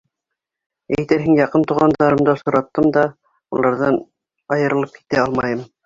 Әйтерһең, яҡын туғандарымды осраттым да уларҙан айырылып китә алмайым.